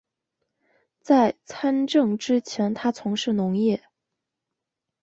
在参政之前他从事农业。